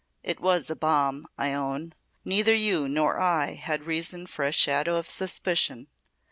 "It was a bomb, I own. Neither you nor I had reason for a shadow of suspicion.